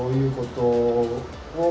saya tidak tahu sifatnya